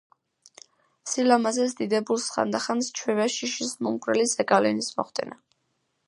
სილამაზეს დიდებულს ხანდახან სჩვევია შიშისმომგვრელი ზეგავლენის მოხდენა.